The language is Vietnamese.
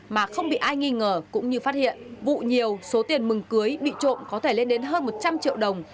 mà không bị ai nghi ngờ cũng như phát hiện vụ nhiều số tiền mừng cưới bị trộm có thể lên đến hơn một trăm linh triệu đồng